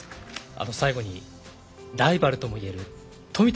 最後に、ライバルとも言える富田